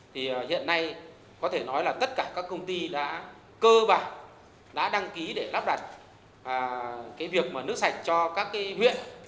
thì hiện nay có thể nói là tất cả các công ty đã cơ bản đã đăng ký để lắp đặt cái việc mà nước sạch cho các cái huyện